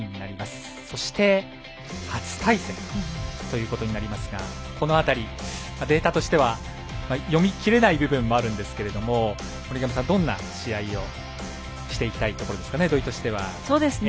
そして初対戦ということになりますがこの辺り、データとしては読みきれない部分もあるんですが森上さん、どんな試合をしていきたいところですかね。